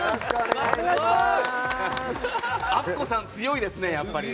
アッコさん、強いですねやっぱり。